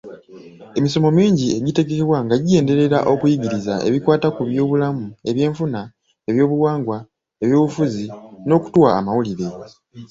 Emisomo mingi egitegekebwa nga gigenderera okuyigiriza ebikwata ku byobulamu, ebyenfuna, ebyobuwangwa, ebyobufuzi; n’okutuwa amawulire.